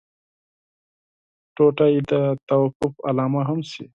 رسۍ د توقف علامه هم شي.